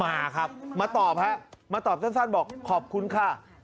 มาครับมาตอบฮะมาตอบสั้นบอกขอบคุณค่ะ